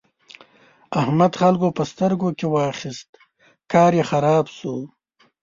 احمد خلګو په سترګو کې واخيست؛ کار يې خراب شو.